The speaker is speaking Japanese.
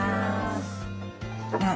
うん。